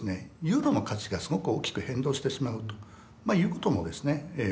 ユーロの価値がすごく大きく変動してしまうということもですね起こるので。